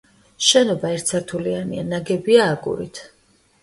შენობა ერთსართულიანია ნაგებია აგურით.